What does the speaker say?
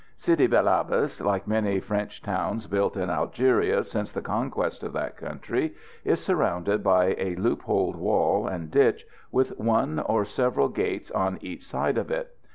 Sidi bel Abbes, like many French towns built in Algeria since the conquest of that country, is surrounded by a loopholed wall and ditch, with one or several gates on each side of it.